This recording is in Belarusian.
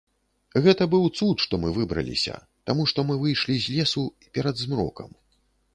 Гэта быў цуд, што мы выбраліся, таму што мы выйшлі з лесу перад змрокам.